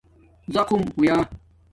ڎاخم ہویا